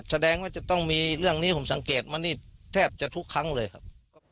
แสดงว่าจะต้องมีเรื่องนี้ผมสังเกตมานี่แทบจะทุกครั้งเลยครับ